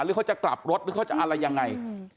หรือเขาจะกลับรถหรือเขาจะอะไรยังไง